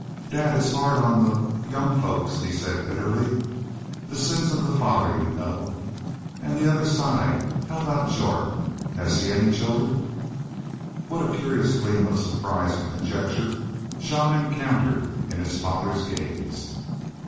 "Dad, it's hard on the the young folks," he said, bitterly. "The sins of the father, you know. An' the other side. How about Jorth? Has he any children?" What a curious gleam of surprise and conjecture Jean encountered in his father's gaze!